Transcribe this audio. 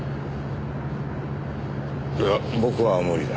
いや僕は無理だ。